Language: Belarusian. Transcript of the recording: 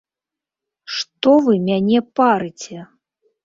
Што вы мяне парыце?